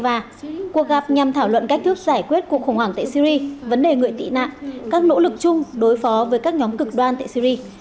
và cuộc gặp nhằm thảo luận cách thức giải quyết cuộc khủng hoảng tại syri vấn đề người tị nạn các nỗ lực chung đối phó với các nhóm cực đoan tại syri